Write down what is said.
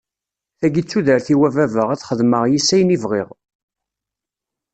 Taki d tudert-iw a baba ad xedmeɣ yis-s ayen i bɣiɣ.